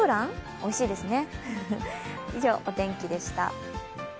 おいしいですね。